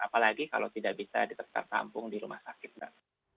apalagi kalau tidak bisa ditertampung di rumah sakit mbak